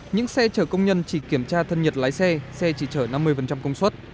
những xe chở công nhân chỉ kiểm tra thân nhiệt lái xe xe chỉ chở năm mươi công suất